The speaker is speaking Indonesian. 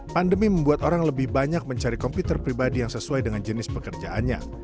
pandemi membuat orang lebih banyak mencari komputer pribadi yang sesuai dengan jenis pekerjaannya